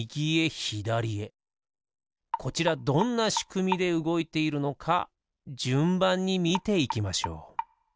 こちらどんなしくみでうごいているのかじゅんばんにみていきましょう。